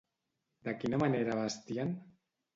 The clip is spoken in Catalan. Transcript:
De quina manera vestien?